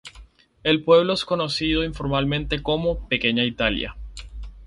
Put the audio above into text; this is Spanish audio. El pueblo es conocido informalmente como "Pequeña Italia".